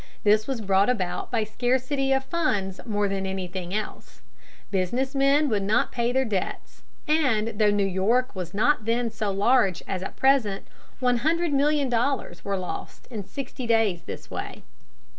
This was brought about by scarcity of funds more than anything else. Business men would not pay their debts, and, though New York was not then so large as at present, one hundred million dollars were lost in sixty days in this way.